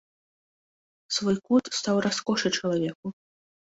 Свой кут стаў раскошай чалавеку.